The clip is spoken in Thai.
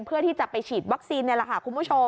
เพื่อที่จะไปฉีดวัคซีนนี่แหละค่ะคุณผู้ชม